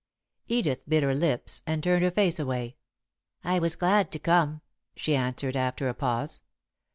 Edith bit her lips and turned her face away. "I was glad to come," she answered, after a pause.